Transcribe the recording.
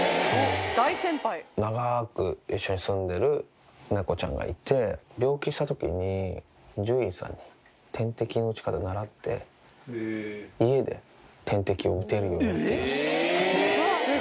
長ーく一緒に住んでる猫ちゃんがいて、病気したときに、獣医さんに点滴の打ち方を習って、家で点滴を打てるようになったらしいです。